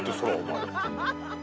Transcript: ハハハハ！